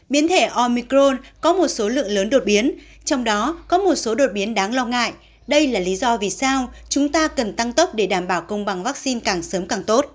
biến thể omicron có một số lượng lớn đột biến trong đó có một số đột biến đáng lo ngại đây là lý do vì sao chúng ta cần tăng tốc để đảm bảo công bằng vaccine càng sớm càng tốt